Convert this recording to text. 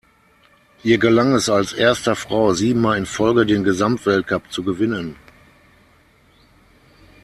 Ihr gelang es als erster Frau siebenmal in Folge den Gesamtweltcup zu gewinnen.